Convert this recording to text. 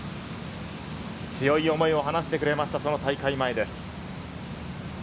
強い思いを話してくれました、大会前です。